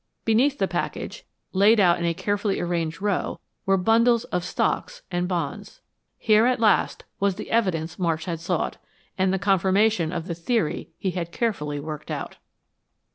Beneath the package, laid out in a carefully arranged row, were bundles of stocks and bonds. Here, at last, was the evidence Marsh had sought, and the confirmation of the theory he had carefully worked out.